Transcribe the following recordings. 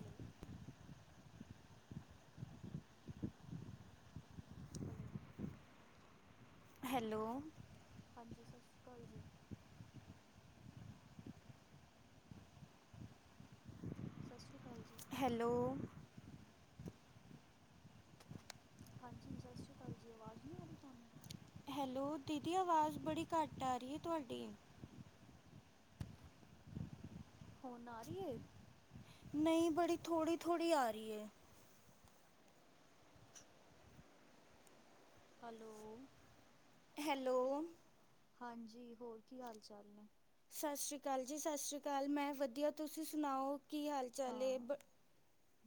Hello. Hello. Hello. ਹਾਂਜੀ ਸਾਸੀ ਕਾਲ ਜੀ। ਸਾਸਰੀਕਾਲ ਜੀ। ਹੈਲੋ ਹਾਂਜੀ ਸਾਸ੍ਰੀ ਕਾਲ ਜੀ ਅਵਾਜ਼ ਨੀ ਆ ਰਈ ਤੁਹਾਨੂੰ? ਹੈਲੋ, ਦੀਦੀ ਆਵਾਜ਼ ਬੜੀ ਘੱਟ ਆ ਰੀਏ ਤੋਆਡੀ। ਹੁਨ ਆ ਰੀ ਏ? ਨਈ, ਬੜੀ ਥੋੜੀ-ਥੋੜੀ ਆ ਰੀ ਏ। ਹਲੋ। ਹੈਲੋ। ਹਾਂਜੀ, ਹੋਰ ਕੀ ਹਾਲ ਚਾਲ ਨੇ? ਸਾਸਰੀ ਕਾਲ ਜੀ, ਸਾਸਰੀ ਕਾਲ ਮੈਂ ਵਦੀਆ, ਤੁਸੀ ਸੁਨਾਓ, ਕੀ ਹਾਲ ਚਾਲ ਹੈ ਹਾਂ, ਬ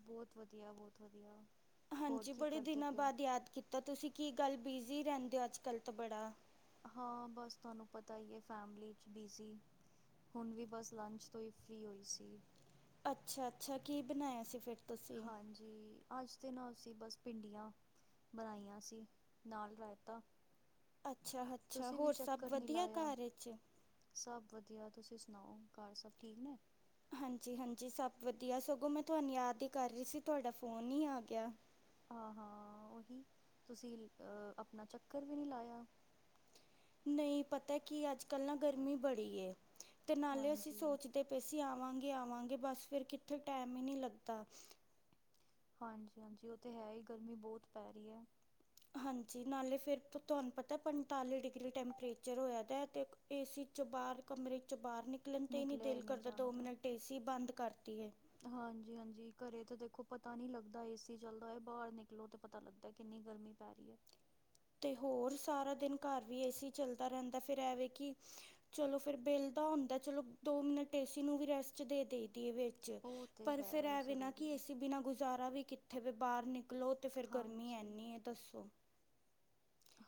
ਬੋਤ ਵਦੀਆ, ਬੋਤ ਵਧੀਆ। ਹੋਰ ਹਾਂਜੀ, ਕੀ ਬੜੇ ਕਰਦੇ ਦਿਨਾਂ ਪਏ ਹੋ ਬਾਦ ਯਾਦ ਕੀਤਾ, ਤੁਸੀ ਕੀ ਗਾੱਲ ਬਿਜ਼ੀ ਰੈਂਦੇ ਓ ਅੱਜ-ਕੱਲ ਤਾਂ ਬੜਾ ਹਾਂ, ਬਸ ਤਾਨੂੰ ਪਤਾ ਈ ਏ, ਫੈਮਲੀ ਚ ਬਿਜ਼ੀ ਹੁਨ ਵੀ ਬਸ ਲੰਚ ਤੋਂ ਈ ਫਰੀ ਹੋਈ ਸੀ। ਅੱਛਾ-ਅੱਛਾ ਕੀ ਬਨਾਇਆ ਸੀ ਫੇਰ? ਹਾਂਜੀ। ਜੀ ਅੱਜ ਤੇ ਨਾ ਅਸੀ ਬੱਸ ਭਿੰਡੀਆਂ ਬਨਾਈਆ ਸੀ ਨਾਲ ਰਾਈਤਾ ਅੱਛਾ-ਅੱਛਾ ਹੋਰ ਸਭ ਵਧੀਆ ਘਰ ਚ? ਸਬ ਵਧੀਆ, ਤੁਸੀ ਸੁਨਾਓ ਘਰ ਸਬ ਠੀਕ ਨੇ? ਹਾਂਜੀ-ਹਾਂਜੀ ਸਬ ਵਦੀਆ, ਸਗੋ ਮੈਂ ਤੁਹਾਨੂੰ ਯਾਦ ਈ ਕਰ ਰੀ ਸੀ, ਤੁਹਾਡਾ ਫੋਨ ਈ ਆ ਗਿਆ। ਹਾਂ-ਹਾਂ ਓਹੀ ਤੁਸੀ ਅ ਆਪਨਾ ਚੱਕਰ ਵੀ ਨੀ ਲਾਇਆ। ਨਈ ਪਤਾ ਕੀ ਅੱਜ-ਕੱਲ ਨਾ ਗਰਮੀ ਬੜੀ ਏ, ਤੇ ਨਾਲੇ ਅਸੀ ਹਾਂਜੀ ਸੋਚਦੇ ਤੇ ਅਸੀ ਆਵਾਂਗੇ-ਆਵਾਂਗੇ ਬਸ ਫੇਰ ਕਿੱਥੇ ਟੈਮ ਈ ਨੀ ਲੱਗਦਾ ਹਾਂਜੀ-ਹਾਂਜੀ ਔ ਤੇ ਹੈ ਈ ਗਰਮੀ ਬੋਤ ਪੈ ਰੀ ਐ। ਹਾਂਜੀ, ਨਾਲੇ ਫੇਰ ਤੁਹਾਨੂੰ ਪਤਾ ਪੰਤਾਲੀ ਡਿਗਰੀ ਟੈਂਪਰੇਚਰ ਹੋਇਆ ਤੇ ਏਸੀ ਚੋ ਬਾਰ ਕਮਰੇ ਚੋ ਬਾਰ ਨਿਕਲਨ ਤੇ ਈ ਨੀ ਨਿਕਲਿਆ ਹੀ ਦਿਲ ਨਹੀਂ ਕਰਦਾ, ਦੋ ਮਿੰਟ ਏਸੀ ਬੰਦ ਕਰ ਦੀਏ। ਹਾਂਜੀ-ਹਾਂਜੀ ਘਰੇ ਤੇ ਦੇਖੋ ਪਤਾ ਨੀ ਲੱਗਦਾ ਏਸੀ ਚੱਲਦਾ ਹੋਇਆ, ਬਾਰ ਨਿਕਲੋ ਤੇ ਪਤਾ ਲੱਗਦਾ ਕਿੰਨੀ ਗਰਮੀ ਪੈ ਰੀ ਏ। ਤੇ ਹੋਰ ਸਾਰਾ ਦਿਨ ਘਰ ਵੀ ਏਸੀ ਚੱਲਦਾ ਰੇਦਾ, ਫੇਰ ਐਵੇ ਕਿ ਚਲੋ ਫੇਰ ਬਿਲ ਦਾ ਹੁੰਦਾ, ਚਲੋ ਦੋ ਮਿੰਟ ਏਸੀ ਨੂੰ ਵੀ ਰੈਸਟ ਦੇ ਦੇਈ ਦੀ ਵੇ। ਉਹ ਤੇ ਪਰ ਹੈ ਫੇਰ ਉਹ ਐ ਏਨਾ ਜ਼ਰੂਰੀ ਕਿ ਹੈ ਏਸੀ ਬਿਨਾਂ ਗੁਜ਼ਾਰਾ ਵੀ ਕਿੱਥੇ ਵੇ ਬਾਰ ਨਿਕਲੋ ਤੇ ਫੇਰ ਗਰਮੀ ਹਾਂਜੀ ਐਨੀ ਐ ਦੱਸੋ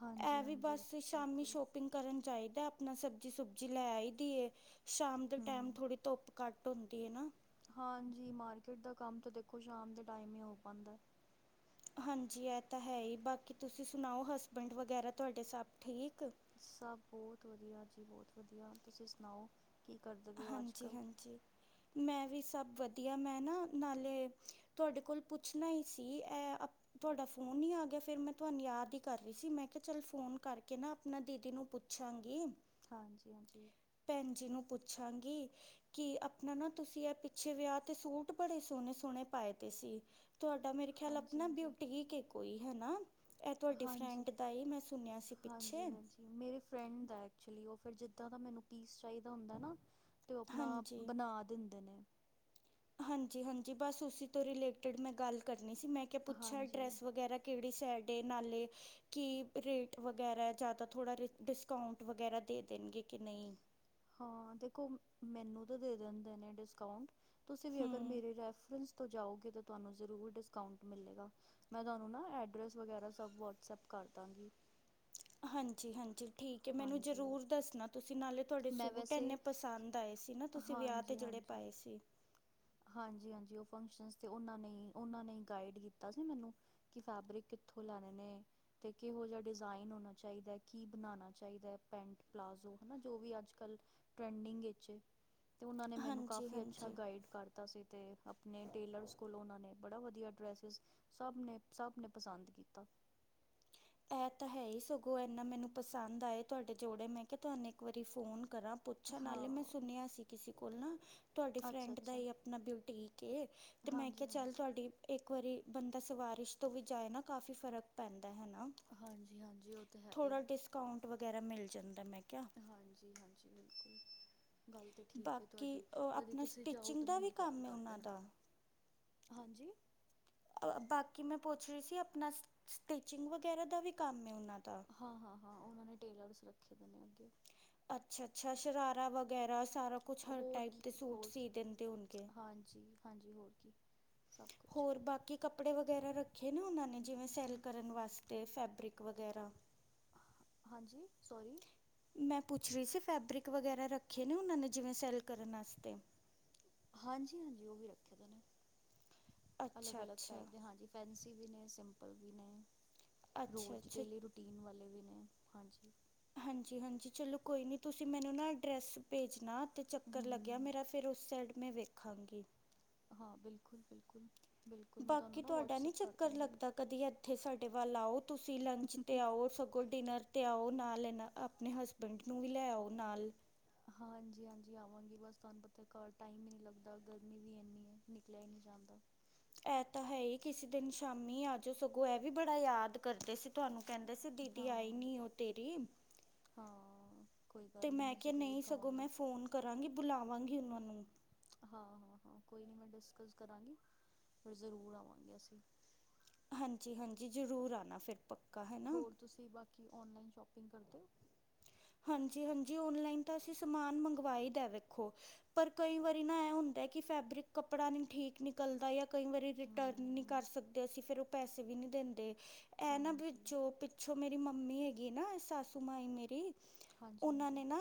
ਹਾਂਜੀ ਐ ਵੀ ਹਾਂਜੀ ਬਸ ਸ਼ਾਮੀ ਬਿਲਕੁਲ ਸ਼ੋਪਿੰਗ ਕਰਨ ਜਾਈਦਾ, ਆਪਨਾ ਸਬਜ਼ੀ-ਸੁਬਜ਼ੀ ਲੈ ਆਈ ਦੀ ਏ, ਸ਼ਾਮ ਦੇ ਟੈਮ ਹਮ ਥੋੜੀ ਧੁੱਪ ਘੱਟ ਹੁੰਦੀ ਏ ਨਾ ਹਾਂਜੀ ਮਾਰਕੀਟ ਦਾ ਕੰਮ ਤਾ ਦੇਖੋ ਸ਼ਾਮ ਦੇ ਟਾਈਮ ਈ ਹੋ ਪਾਂਦਾ। ਹਾਂਜੀ ਐ ਤੇ ਹੈ ਈ ਬਾਕੀ ਤੁਸੀ ਸੁਨਾਓ ਹਸਬੈਂਡ ਵਗੈਰਾ ਤੁਹਾਡੇ ਸਬ ਠੀਕ ਏ? ਸਬ ਬੋਤ ਵਧੀਆ ਜੀ ਬੋਤ ਵਧੀਆ, ਤੁਸੀ ਸੁਨਾਓ ਕੀ ਕਰਦੇ ਪਏ ਔ ਹਾਂਜੀ ਅੱਜ-ਕੱਲ? ਹਾਂਜੀ ਮੈਂ ਵੀ ਸਬ ਵਧੀਆ, ਮੈਂ ਨਾ ਨਾਲੇ ਤੁਹਾਡੇ ਕੋਲ ਪੁੱਛਣਾ ਈ ਸੀ, ਐ ਤੁਹਾਡਾ ਫੋਨ ਈ ਆਗਿਆ ਫੇਰ ਮੈਂ ਤੁਆਨੂੰ ਯਾਦ ਈ ਕਰ ਰਹੀ ਸੀ, ਮੈਂ ਕਿਹਾ ਚੱਲ ਫੋਨ ਕਾਰਕੇ ਨਾ ਅਪਨਾ ਦੀਦੀ ਨੂੰ ਪੁੱ ਪੁੱਛਾਂਗੀ। ਹਾਂਜੀ-ਹਾਂਜੀ। ਭੈਣ ਜੀ ਨੂੰ ਪੁੱਛਾਂਗੀ। ਕਿ ਅਪਨਾ ਨਾ ਤੁਸੀ ਐ ਪਿੱਛੇ ਵਿਆਹ ਤੇ ਸੂਟ ਬੜੇ ਸੋਨੇ-ਸੋਨੇ ਪਾਏ ਦੇ ਸੀ। ਤੁਆਡਾ ਮੇਰੇ ਖਿਆਲ ਹਾਂਜੀ ਅਪਨਾ ਹਾਂਜੀ ਬਿਯੂਟੀਕ ਏ ਕੋਈ ਹਨਾ ਐ ਤੁਆਡੀ ਹਾਂਜੀ ਫਰੈਂਡ ਦਾ ਈ ਮੈਂ ਸੁਨਿਆ ਸੀ ਪਿੱਛੇ ਮੇਰੀ ਫਰੈਂਡ ਦੈ ਐਕਚੁਲੀ ਓ, ਫੇਰ ਜਿੱਦਾ ਦਾ ਮੈਨੂੰ ਪੀਸ ਚਾਈਦਾ ਹੁੰਦਾ ਨਾ ਤੇ ਓ ਅਪਨਾ ਹਾਂਜੀ ਬਨਾ ਦਿੰਦੇ ਨੇ। ਹਾਂਜੀ-ਹਾਂਜੀ ਬਸ ਉਸੀ ਤੋ ਰਿਲੇਟਡ ਮੈਂ ਗੱਲ ਕਰਨੀ ਸੀ, ਮੈਂ ਕਿਆ ਪੁੱਛਾ ਹਾਂਜੀ ਐਡਰੈਸ ਵਗੈਰਾ ਕੇੜੀ ਸਾਈਡ ਏ ਨਾਲੇ ਕਿ ਰੇਟ ਵਗੈਰਾ ਜਾਦਾ ਥੋੜਾ ਡਿਸਕਾਊਂਟ ਵਗੈਰਾ ਦੇ ਦੇਨਗੇ ਕਿ ਨਈ ਹਾਂ ਦੇਖੋ ਮੈਨੂੰ ਤੇ ਦੇ ਦਿੰਦੇ ਨੇ ਡਿਸਕਾਊਂਟ, ਤੁਸੀ ਵੀ ਅਗਰ ਹੂੰ ਮੇਰੇ ਰੈਫਰੈਂਸ ਤੋ ਜਾਓਗੇ, ਤੇ ਤੁਆਨੂੰ ਜ਼ਰੂਰ ਡਿਸਕਾਊਂਟ ਮਿਲੇਗਾ। ਮੈਂ ਤਾਨੂੰ ਨਾ ਐਡਰੈਸ ਵਗੈਰਾ ਸਭ ਵਟਸਐਪ ਕਰ ਦਾਂਗੀ। ਹਾਂਜੀ-ਹਾਂਜੀ ਠੀਕ ਐ ਮੈਨੂੰ ਹਾਂਜੀ ਜ਼ਰੂਰ ਦੱਸਣਾ ਤੁਸੀਂ ਨਾਲੇ ਥੋਡੇ ਮੈਂ ਸੂਟ ਵੈਸੇ ਇੰਨੇ ਪਸੰਦ ਆਏ ਸੀ ਨਾ ਤੁਸੀਂ ਵਿਆਹ ਤੇ ਜਿਹੜੇ ਪਾਏ ਸੀ। ਹਾਂਜੀ-ਹਾਂਜੀ ਉਹ ਫੰਕਸ਼ਨ ਤੇ ਉਹਨਾ ਨੇ ਉਹਨਾ ਨੇ ਗਾਈਡ ਕੀਤਾ ਸੀ ਮੈਨੂੰ ਕਿ ਫੈਬਰਿਕ ਕਿੱਥੋਂ ਲੈਣੇ ਨੇ। ਤੇ ਕਿਹੋ ਜਿਹਾ ਡਿਜ਼ਾਇਨ ਹੋਣਾ ਚਾਹੀਦਾ ਐ ਕੀ ਬਣਾਣਾ ਚਾਹੀਦਾ ਐ ਪੈਂਟ ਪਲਾਜ਼ੋ ਹਨਾ ਜੋ ਵੀ ਅੱਜ-ਕੱਲ ਟ੍ਰੈਂਡਿੰਗ 'ਚ ਤੇ ਉਹਨਾਂ ਨੇ ਮੈਨੂੰ ਹਾਂਜੀ ਕਾਫੀ ਅੱਛਾ ਹਾਂਜੀ ਗਾਈਡ ਕਰਤਾ ਸੀ ਤੇ ਆਪਣੇ ਟੇਲਰਸ ਕੋਲੋਂ ਉਹਨਾਂ ਨੇ ਬੜਾ ਵਧੀਆ ਡ੍ਰੈਸਿਸ ਸਭ ਨੇ ਸਭ ਨੇ ਪਸੰਦ ਕੀਤਾ। ਇਹ ਤਾਂ ਹੈ ਹੀ ਸਗੋਂ ਇੰਨਾ ਮੈਨੂੰ ਪਸੰਦ ਆਏ ਤੁਹਾਡੇ ਜੋੜੇ ਮੈਂ ਕਿ ਤਾਨੂੰ ਇੱਕ ਵਾਰੀ ਫੋਨ ਕਰਾਂ। ਪੁੱਛਾ ਹਾਂ ਨਾਲੇ ਮੈਂ ਸੁਣਿਆ ਸੀ ਕਿਸੇ ਕੋਲ ਨਾ ਤੁਹਾਡੇ ਅੱਛਾ ਫਰੈਂਡ ਦਾ ਅੱਛਾ ਈ ਆਪਣਾ ਬਿਊਟੀਕ ਏ ਤੇ ਮੈਂ ਹਾਂਜੀ ਕਿਆ ਚੱਲ ਹਾਂਜੀ ਤੁਹਾਡੀ ਇੱਕ ਵਾਰੀ ਬੰਦਾ ਸਵਾਰਿਸ਼ ਤੋਂ ਵੀ ਜਾਏ ਨਾ ਕਾਫ਼ੀ ਫ਼ਰਕ ਪੈਂਦਾ ਹਨਾ। ਹਾਂਜੀ- ਹਾਂਜੀ ਓ ਥੋੜ੍ਹਾ ਡਿਸਕਾਊਂਟ ਵਗੈਰਾ ਮਿਲ ਜਾਂਦਾ ਮੈਂ ਕਿਆ ਹਾਂਜੀ- ਹਾਂਜੀ ਬਿਲਕੁਲ ਗੱਲ ਤੇ ਠੀਕ ਏ ਬਾਕੀ ਤੁਹਾਡੀ ਅ, ਕਦੀ ਆਪਣਾ ਤੁਸੀਂ ਜਾਓ ਸਟਿਚਿੰਗ ਤਾਂ ਦਾ ਵੀ ਮੈਨੂੰ ਕਾਲ ਕੰਮ ਹੈ ਕਰ ਉਹਨਾਂ ਲੈਣਾ। ਦਾ ਹਾਂਜੀ ਬਾਕੀ ਮੈਂ ਪੁੱਛ ਰਈ ਸੀ ਆਪਣਾ ਸਟਿਚਿੰਗ ਵਗੈਰਾ ਦਾ ਵੀ ਕੰਮ ਹੈ ਉਨਾਂ ਦਾ ਹਾਂ-ਹਾਂ-ਹਾਂ ਉਹਨਾਂ ਨੇ ਟੇਲਰਸ ਰੱਖੇ ਦੇ ਨੇ ਅੱਗੇ ਅੱਛਾ-ਅੱਛਾ ਸ਼ਰਾਰਾ ਵਗੈਰਾ ਸਾਰਾ ਕੁਛ ਹਰ ਹੋਰ ਟਾਇਪ ਕੀ ਦੇ ਸੂਟ ਹੋਰ ਸੀ ਕੀ ਦਿੰਦੇ ਹੋਗੇ। ਹਾਂਜੀ ਹਾਂਜੀ ਹੋਰ ਕੀ ਸਭ ਕੁਛ ਹੋਰ ਬਾਕੀ ਕੱਪੜੇ ਵਗੈਰਾ ਰੱਖੇ ਨਾ ਉਹਨਾਂ ਨੇ ਜਿਵੇਂ ਸੈਲ ਕਰਨ ਵਾਸਤੇ ਫੈਬਰਿਕ ਵਗੈਰਾ ਹਾਂਜੀ ਸੋਰੀ ਮੈਂ ਪੁੱਛ ਰਹੀ ਸੀ ਫੈਬਰਿਕ ਵਗੈਰਾ ਰੱਖੇ ਨੇ ਉਹਨਾਂ ਨੇ ਜਿਵੇਂ ਸੈੱਲ ਕਰਨ ਅਸਤੇ ਹਾਂਜੀ-ਹਾਂਜੀ ਓ ਵੀ ਰੱਖੇ ਦੈਨੇ ਅਲੱਗ ਅਲੱਗ ਅੱਛਾ-ਅੱਛਾ, ਟਾਈਪ ਦੇ ਹਾਂਜੀ ਫੈਂਸੀ ਵੀ ਨੇ ਸਿੰਪਲ ਵੀ ਨੇ ਰੋਜ਼ ਅੱਛਾ-ਅੱਛਾ। ਡੇਲੀ ਰੁਟੀ ਟੀਨ ਵਾਲੇ ਵੀ ਨੇ ਹਾਂਜੀ ਹਾਂਜੀ- ਹਾਂਜੀ ਚਲੋ ਕੋਈ ਨੀ ਤੁਸੀਂ ਮੈਨੂੰ ਨਾ ਅਡਰੈਸ ਭੇਜਣਾ ਤੇ ਚੱਕਰ ਲੱ ਜਾਂ ਹਮ ਮੇਰਾ ਫਿਰ ਉਸ ਸਾਈਡ ਮੈਂ ਦੇਖਾਂਗੀ ਹਾਂ ਬਿਲਕੁਲ-ਬਿਲਕੁਲ-ਬਿਲਕੁਲ ਮੈਂ ਤੁਆਨੂੰ ਬਾਕੀ ਨਾ ਤੁਹਾਡਾ ਨਹੀਂ ਵਟਸਐਪ ਕਰ ਚੱਕਰ ਦਾਂਗੀ। ਲੱਗਦਾ ਕਦੀ ਇੱਥੇ ਸਾਡੇ ਵੱਲ ਆਓ ਤੁਸੀਂ ਲੰਚ ਤੇ ਆਓ ਸ ਕੋ ਡਿਨਰ ਤੇ ਆਓ ਨਾਲ ਇਹਨਾਂ ਆਪਣੇ ਹਸਬੈਂਡ ਨੂੰ ਵੀ ਲੈ ਆਓ ਨਾਲ ਹਾਂਜੀ- ਹਾਂਜੀ ਆਵਾਂਗੀ ਬਸ ਤਾਨੂੰ ਪਤਾ ਟਾਈਮ ਈ ਨਈ ਲੱਗਦਾ ਗਰਮੀ ਵੀ ਇੰਨੀ ਹੈ ਨਿਕਲਿਆ ਹੀ ਨਹੀਂ ਜਾਂਦਾ। ਇਹ ਤਾਂ ਹੈ ਹੀ ਕਿਸੇ ਦਿਨ ਸ਼ਾਮੀ ਆ ਜੋ ਸਗੋਂ ਇਹ ਵੀ ਬੜਾ ਯਾਦ ਕਰਦੇ ਸੀ। ਤੁਆਨੂੰ ਕੈਂਦਾ ਸੀ ਦੀਦੀ ਆਈ ਹਾਂ ਨੀ ਓ ਤੇਰੀ ਹਾਂ ਕੋਈ ਤੇ ਗੱਲ ਮੈਂ ਕਿਆ ਜ਼ਰੂਰ ਨਹੀਂ ਸਗੋਂ ਕਵਾਂਗੀ ਮੈਂ ਫੋਨ ਕਰਾਂਗੀ ਬੁਲਾਵਾਂਗੀ ਓਨਾ ਨੂੰ ਹਾਂ-ਹਾਂ-ਹਾਂ ਕੋਈ ਨੀਂ ਮੈਂ ਡਿਸਕਸ ਕਰਾਂਗੀ ਫਿਰ ਜ਼ਰੂਰ ਆਵਾਂਗੇ ਅਸੀ ਹਾਂਜੀ-ਹਾਂਜੀ ਜ਼ਰੂਰ ਆਣਾ ਫਿਰ ਤੋ ਹੋਰ ਤੁਸੀਂ ਬਾਕੀ ਔਨਲਾਈਨ ਸ਼ੋਪਿੰਗ ਕਰਦੇ ਓ। ਹਾਂਜੀ-ਹਾਂਜੀ ਓਨਲਾਈਨ ਤਾਂ ਅਸੀਂ ਸਮਾਨ ਮੰਗਵਾਈ ਦਾ ਵੇਖੋ ਪਰ ਕਈ ਵਾਰੀ ਨਾ ਇਹ ਹੁੰਦਾ ਕਿ ਫੈਬਰਿਕ ਕੱਪੜਾ ਨੀਂ ਠੀਕ ਨਿਕਲਦਾ ਯਾ ਕਈ ਵਾਰੀ ਰਿਟਰਨ ਨਈ ਹਮ ਕਰ ਸਕਦੇ ਅਸੀਂ ਫਿਰ ਓ ਪੈਸੇ ਵੀ ਨਈ ਦਿੰਦੇ। ਇਹ ਨਾ ਵੀ ਹਾਂਜੀ ਜੋ ਪਿੱਛੋਂ ਮੇਰੀ ਮੰਮੀ ਹੈਗੀ ਨਾ ਸਾਸੂ ਮਾਈ ਮੇਰੀ ਹਾਂਜੀ ਉਹਨਾਂ ਨੇ ਹਾਂਜੀ ਨਾ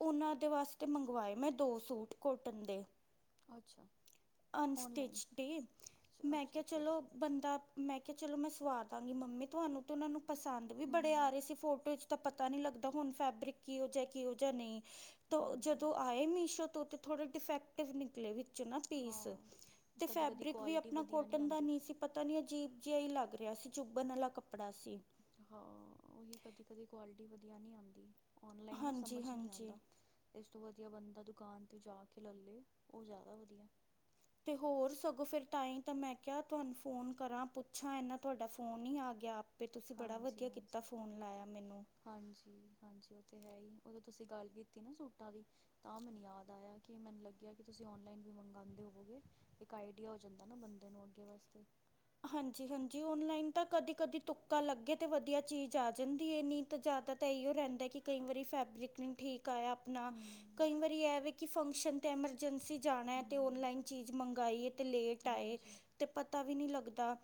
ਉਹਨਾ ਦੇ ਵਾਸਤੇ ਮੰਗਵਾਏ ਮੈਂ ਦੋ ਸੂਟ ਕੋਟਨ ਦੇ ਅੱਛਾ ਔਨਲਾਈਨ ਅਨਸਟਿਚ ਡੇ ਅੱਛਾ ਮੈਂ ਅੱਛਾ ਕਿਆ ਅੱਛਾ ਚਲੋ ਬੰਦਾ ਮੈਂ ਕਿਆ ਚਲੋ ਮੈਂ ਸਵਾ ਦਾਂਗੀ ਮੰਮੀ ਤੁਹਾਨੂੰ ਤੇ ਉਹਨਾਂ ਨੂੰ ਪਸੰਦ ਵੀ ਬੜੇ ਆ ਹਮ ਰਏ ਸੀ ਫੋਟੋ 'ਚ ਤਾ ਪਤਾ ਨਹੀਂ ਲੱਗਦਾ ਹੁਣ ਫੈਬਰਿਕ ਕਿਹੋ ਜਿਹਾ ਕਿਹੋ ਜਿਹਾ ਨਈ ਤਾ ਹਾਂਜੀ ਜਦੋਂ ਹਾਂਜੀ ਆਏ ਮੀਸ਼ੋ ਤੋ ਥੋੜੇ ਡਿਫੈਕਟਿਵ ਨਿਕਲੇ ਵਿਚੋਂ ਨਾ ਹਾਂ ਪੀਸ, ਤੇ ਕਦੀ ਕਦੀ ਫੈਬਰਿਕ ਵੀ ਕੁਆਲਿਟੀ ਆਪਣਾ ਵਧੀਆ ਕੋਟਨ ਦਾ ਆਉਂਦੀ ਨਹੀਂ ਸੀ ਪਤਾ ਨੀ ਅਜੀਬ ਜਿਹਾ ਹੀ ਲੱਗ ਰਿਹਾ ਸੀ ਚੁੱਭਣ ਵਾਲਾ ਕੱਪੜਾ ਸੀ ਹਾਂ, ਉਹੀ ਕਦੀ- ਕਦੀ ਕੁਆਲਿਟੀ ਵਧੀਆ ਨਹੀਂ ਆਉਂਦੀ ਓਨਲਾਈਨ ਨਾ ਹਾਂਜੀ ਸਮਝ ਨਹੀਂ ਹਾਂਜੀ ਆਉਂਦਾ ਇਸ ਤੋਂ ਵਧੀਆ ਬੰਦਾ ਦੁਕਾਨ ਤੇ ਜਾ ਕੇ ਲੇ ਲਏ, ਉਹ ਜ਼ਿਆਦਾ ਵਧੀਆ ਤੇ ਹੋਰ ਸਗੋਂ ਫਿਰ ਤਾਂਹੀ ਤਾਂ ਮੈਂ ਕਿਹਾ ਤੁਹਾਨੂੰ ਫੋਨ ਕਰਾਂ ਪੁੱਛਾਂ ਇਨਾ ਤੁਹਾਡਾ ਫੋਨ ਹੀ ਆ ਗਿਆ ਫਿਰ ਤੁਸੀਂ ਬੜਾ ਹਾਂਜੀ ਵਧੀਆ ਹਾਂਜੀ ਕੀਤਾ ਫੋਨ ਲਾਇਆ ਮੈਨੂੰ ਹਾਂਜੀ, ਹਾਂਜੀ ਉਹ ਤੇ ਹੈ ਹੀ, ਉਦੋਂ ਤੁਸੀਂ ਗੱਲ ਕੀਤੀ ਨਾ ਸੂਟਾਂ ਦੀ ਤਾਂ ਮੈਨੂੰ ਯਾਦ ਆਇਆ ਕਿ ਮੈਨੂੰ ਲੱਗਿਆ ਕਿ ਤੁਸੀਂ ਓਨਲਾਈਨ ਵੀ ਮੰਗਵਾਉਂਦੇ ਹੋਗੇ ਇੱਕ ਆਈਡੀਆ ਹੋ ਜਾਂਦਾ ਨਾ ਬੰਦੇ ਨੂੰ ਅੱਗੇ ਵਾਸਤੇ ਹਾਂਜੀ -ਹਾਂਜੀ ਓਨਲਾਈਨ ਤਾਂ ਕਦੀ- ਕਦੀ ਤੁੱਕਾ ਲੱਗੇ, ਤੇ ਵਧੀਆ ਚੀਜ਼ ਆ ਜਾਂਦੀ ਨਹੀਂ ਜਿਆਦਾ ਤਾਂ ਇਓ ਰਹਿੰਦਾ, ਕਿ ਕਈ ਵਾਰੀ ਫੈਬਰਿਕ ਨਹੀਂ ਠੀਕ ਆਇਆ ਆਪਣਾ ਹਮ ਕਈ ਵਾਰੀ ਇਹ ਕਿ ਫੰਕਸ਼ਨ ਤੇ ਐਮਰਜਸੀ ਜਾਣਾ ਹੈ, ਤੇ ਹਮ ਓਨਲਾਈਨ ਚੀਜ਼ ਮੰਗਾਈ ਹੈ ਤੇ ਲੇਟ ਆਏ ਹਾਂਜੀ ਤੇ ਪਤਾ ਵੀ ਨੀ ਲੱਗਦਾ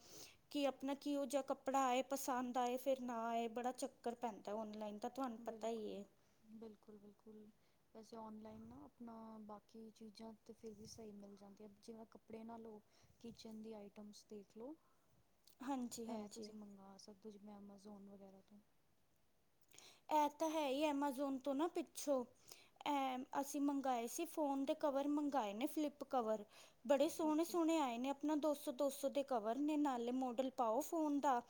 ਕਿ ਆਪਣਾ ਕਿ ਉਹ ਜਿਹਾ ਕੱਪੜਾ ਆਏ ਪਸੰਦ ਆਏ ਫਿਰ ਨਾ ਆਏ, ਬੜਾ ਚੱਕਰ ਪੈਂਦਾ ਓਨਲਾਈਨ ਬਿਲਕੁੱਲ, ਬਿਲਕੁੱਲ- ਬਿਲਕੁੱਲ ਵੈਸੇ ਔਨਲਾਈਨ ਨਾ ਆਪਣਾ, ਬਾਕੀ ਚੀਜ਼ਾਂ ਤਾਂ ਫਿਰ ਵੀ ਸਹੀ ਮਿਲ ਜਾਂਦੀਆਂ ਜਿਵੇਂ ਕੱਪੜੇ ਨਾਲੋਂ ਕਿਚਨ ਦੀ ਆਈਟਮਸ ਦੇਖ ਲੋ ਹਾਂਜੀ ਇਹ ਹਾਂਜੀ ਤੁਸੀਂ ਮੰਗਵਾ ਸਕਦੇ ਹੋ ਜਿਵੇਂ ਐਮਾਜ਼ੋਨ ਵਗੈਰਾ ਤੋਂ ਇਹ ਤਾਂ ਹੈ ਹੀ ਐਮਾਜ਼ੋਨ ਤੋਂ ਨਾ ਪਿੱਛੋਂ ਇਹ, ਅਸੀਂ ਮੰਗਵਾਏ ਸੀ ਫੋਨ ਦੇ ਕਵਰ, ਮੰਗਵਾਏ ਨੇ ਫਲਿਪ ਕਵਰ ਬੜੇ ਸੋਹਣੇ- ਓਕੇ ਸੋਹਣੇ ਆਏ ਨੇ, ਆਪਣਾ ਦੋ ਸੋ- ਦੋ ਸੋ ਦੇ ਕਵਰ ਨੇ, ਨਾਲੇ ਮੋਡਲ ਪਾਓ ਫੋਨ ਦਾ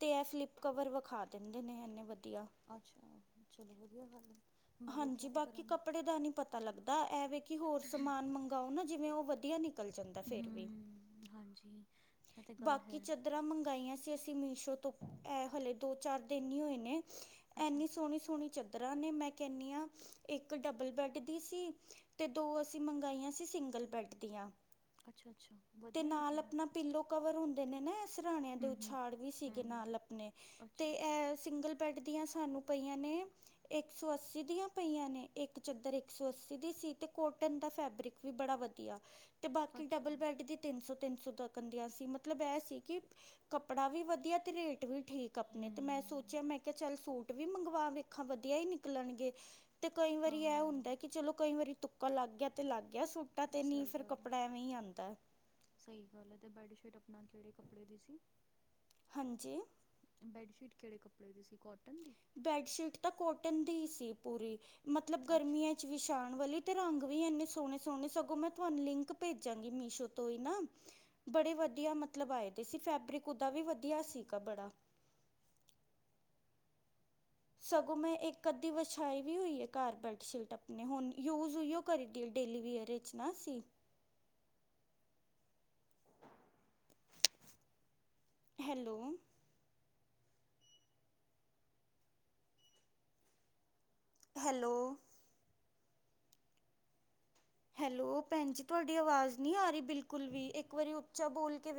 ਤੇ ਇਹ ਫਲਿਪ ਕਵਰ ਵਿਖਾ ਦਿੰਦੇ ਨੇ, ਇਨੇ ਵਧੀਆ ਅੱਛਾ, ਚਲੋ ਵਧੀਆ ਗੱਲ ਹੈ ਮੈਂ ਵੀ ਹਾਂਜੀ, ਟਰਾਈ ਬਾਕੀ ਕਰਾਂਗੀ ਕੱਪੜੇ ਦਾ ਨਹੀਂ ਪਤਾ ਤਾਂ ਲੱਗਦਾ, ਐਵੇ ਕਿ ਹੋਰ ਸਮਾਨ ਮੰਗਾਓ ਨਾ ਜਿਵੇਂ ਉਹ ਵਧੀਆ ਨਿਕਲ ਜਾਂਦਾ ਫਿਰ ਵੀ ਹੂੰ ਹਾਂਜੀ ਇਹ ਤਾਂ ਗੱਲ ਬਾਕੀ ਹੈ ਚਦਰ ਚਾਦਰਾਂ ਮੰਗਾਈਆਂ ਸੀ ਅਸੀਂ ਮੀਸ਼ੋ ਤੋਂ, ਇਹ ਹਲੇ ਦੋ ਚਾਰ ਦਿਨ ਹੀ ਹੋਏ ਨੇ ਅੱਛਾ ਇੰਨੀ ਸੋਹਣੀ ਸੋਹਣੀ ਚਾਦਰਾਂ ਨੇ, ਮੈਂ ਕਹਿੰਦੀ ਆਂ, ਇੱਕ ਡਬਲ ਬੈਡ ਦੀ ਸੀ ਤੇ ਦੋ ਅਸੀਂ ਮੰਗਾਈਆਂ ਸੀ, ਸਿੰਗਲ ਬੈਡ ਦੀਆਂ ਅੱਛਾ- ਅੱਛਾ ਵਧੀਆ ਨਿਕਲੀਆਂ ਪਿਲੋ ਕਵਰ ਹੁੰਦੇ ਨੇ ਨਾ ਇਹ ਸਰਾਣਿਆਂ ਦੇ ਹੂੰ ਹੂੰ ਉਛਾੜ ਵੀ ਸੀਗੇ ਹੂੰ ਹੂੰ ਨਾਲ ਆਪਣੇ, ਅੱਛਾ ਤੇ ਅੱਛਾ ਇਹ ਸਿੰਗਲ ਬੈਡ ਦੀਆਂ ਸਾਨੂੰ ਪਈਆਂ ਨੇ ਇੱਕ ਸੌ ਅੱਸੀ ਦੀਆਂ ਪਈਆਂ ਨੇ, ਇੱਕ ਚਾਦਰ ਇੱਕ ਸੌ ਅੱਸੀ ਦੀ ਸੀ, ਤੇ ਕੋਟਨ ਦਾ ਫੈਬਰਿਕ ਵੀ ਬੜਾ ਵਧੀਆ, ਤੇ ਬਾਕੀ ਅੱਛਾ ਡਬਲ ਬੈਡ ਦੀ ਤਿੰਨ ਸੋ -ਤਿੰਨ ਸੋ ਤੱਕ ਕੰਦਿਆ ਸੀ, ਮਤਲਬ ਇਹ ਸੀ ਕਿ ਕੱਪੜਾ ਵੀ ਵਧੀਆ ਤੇ ਰੇਟ ਰੇਟ ਵੀ ਠੀਕ ਆਪਣੇ, ਤੇ ਮੈਂ ਹੂੰ ਸੋਚਿਆ ਮੈਂ ਕਿਹਾ ਚੱਲ ਸੂਟ ਵੀ ਮੰਗਵਾ ਵੇਖਾਂ ਵਧੀਆ ਹੀ ਨਿਕਲਣਗੇ ਤੇ ਕਈ ਵਾਰੀ ਇਹ ਹਾਂ ਹੁੰਦਾ ਕਿ ਚਲੋ ਕਈ ਵਾਰੀ ਤੁੱਕਾ ਲੱਗ ਗਿਆ ਤੇ ਲੱਗ ਗਿਆ ਸੂ ਮੈਂ ਕਹਿਨੀ, ਸਹੀ ਫਿਰ ਗੱਲ ਆ ਕੱਪੜਾ ਐਵੇਂ ਆਂਦਾ ਸਹੀ ਗੱਲ ਹੈ, ਤੇ ਬੈਡਸ਼ੀਟ ਆਪਣਾ ਕਿਹੜੇ ਕੱਪੜੇ ਦੀ ਸੀ ਹਾਂਜੀ ਬੈੱਡਸ਼ੀਟ ਕਿਹੜੇ ਕੱਪੜੇ ਦੀ ਸੀ, ਕੋਟਨ ਦੀ ਬੈਡਸ਼ੀਟ ਤਾਂ ਕੋਟਨ ਦੀ ਹੀ ਸੀ ਪੂਰੀ ਮਤਲਬ ਅੱਛਾ ਗਰਮੀਆਂ ਚੱ ਵੀ ਪਾਣ ਵਾਲੀ ਤੇ ਰੰਗ ਵੀ ਇੰਨੇ ਸੋਹਣੇ- ਸੋਹਣੇ, ਸਗੋਂ ਮੈਂ ਤੁਹਾਨੂੰ ਲਿੰਕ ਭੇਜਾਂਗੀ ਮੀਸ਼ੋ ਤੋਂ ਹੀ ਨਾ ਬੜੇ ਵਧੀਆ ਮਤਲਬ ਆਏ ਦੇ ਸੀ ਫੈਬਰਿਕ ਦਾ ਵੀ ਵਧੀਆ ਸੀਗਾ ਬੜਾ ਸਗੋਂ ਮੈਂ ਇੱਕ ਅੱਧੀ ਵਿਛਾਈ ਵੀ ਹੋਈ ਹੈ ਘਰ ਬੈੱਡਸ਼ੀਟ ਅਪਨੇ ਹੁਨ ਯੂਜ ਉਹੀਓ ਕਰੀਦੀ ਹੈ ਡੇਲੀ ਵੀਅਰ ਪੁੱਛਨਾ ਸੀ ਹੈਲੋ ਹੈਲੋ ਹੈਲੋ ਭੈਨ ਜੀ ਤੁਹਾਡੀ ਆਵਾਜ਼ ਨਹੀਂ ਆ ਰਹੀ ਬਿਲਕੁਲ ਵੀ, ਇੱਕ ਵਾਰੀ ਉੱਚਾ ਬੋਲ ਕੇ ਵੇ